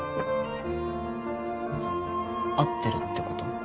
会ってるってこと？